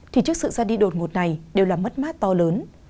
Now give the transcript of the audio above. thì trước sự ra đi đột ngột này đều là mất mát to lớn